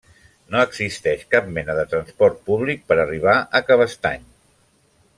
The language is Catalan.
No existeix cap mena de transport públic per arribar a Cabestany.